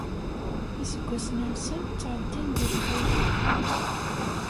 Iseggasen-nsen ttɛeddin di lxuf.